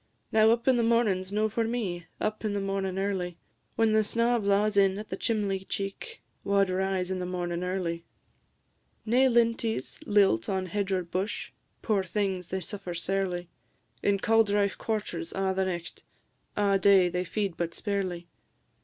Now, up in the mornin's no for me, Up in the mornin' early; When snaw blaws in at the chimley cheek, Wha 'd rise in the mornin' early? Nae linties lilt on hedge or bush: Poor things! they suffer sairly; In cauldrife quarters a' the nicht, A' day they feed but sparely.